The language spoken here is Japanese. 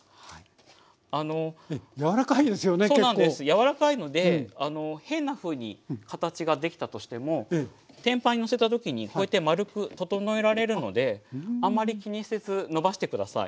柔らかいので変なふうに形が出来たとしても天板にのせた時にこうやってまるく整えられるのであんまり気にせずのばして下さい。